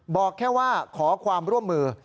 บอกแค่ว่าขอความร่วมมือ